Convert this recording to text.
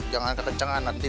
jangan kekencangan nanti